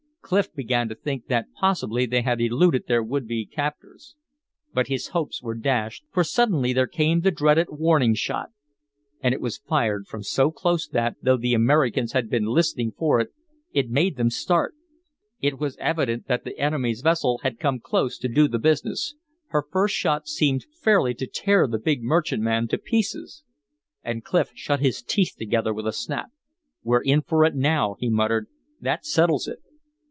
Clif began to think that possibly they had eluded their would be captors. But his hopes were dashed, for suddenly there came the dreaded warning shot. And it was fired from so close that, though the Americans had been listening for it, it made them start. It was evident that the enemy's vessel had come close to do the business; her first shot seemed fairly to tear the big merchantman to pieces. And Clif shut his teeth together with a snap. "We're in for it now," he muttered. "That settles it."